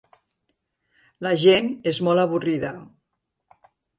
La gent és molt avorrida.